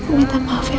jauh bersama dia